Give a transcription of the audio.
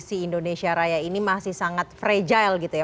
si indonesia raya ini masih sangat fragile gitu ya